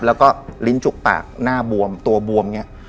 แล้วก็ลิ้นจุกตากหน้าบวมตัวบวมเนี่ย